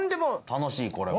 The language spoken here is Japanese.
楽しいこれは。